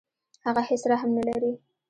هغه هیڅ رحم نه لري.